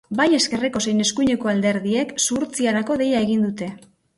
Bai ezkerreko zein eskuineko alderdiek zuhurtziarako deia egin dute.